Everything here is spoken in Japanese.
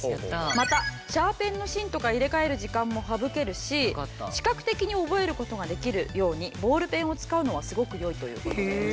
「またシャーペンの芯とか入れ替える時間も省けるし視覚的に覚える事ができるようにボールペンを使うのはすごく良い」という事です。